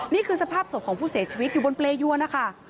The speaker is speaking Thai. นี่คือสภาพศพของผู้เสียชีวิตอยู่บนเปรยวนนะคะ